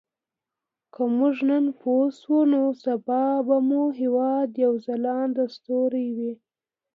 که موږ نن پوه شو نو سبا به مو هېواد یو ځلانده ستوری وي.